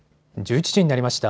１１時になりました。